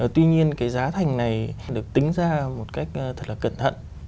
tuy nhiên cái giá thành này được tính ra một cách thật là cẩn thận